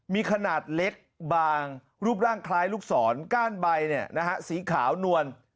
มีขนาดเล็กบางรูปร่างคล้ายลูกศรก้านใบสีขาวนวล